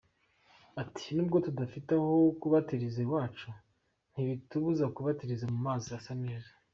Ati ‘‘Nubwo tudafite aho kubatiriza iwacu, ntibitubuza kubatiriza mu mazi asa neza.